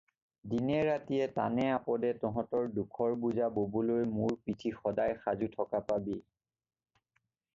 দিনে ৰাতিয়ে, টানে আপদে তহঁতৰ দুখৰ বোজা ববলৈ মোৰ পিঠি সদাই সাজু থকা পাবি।